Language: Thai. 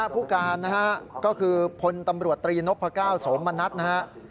ผู้การนะฮะก็คือพลตำรวจตรีนพก้าวโสมณัฐนะฮะ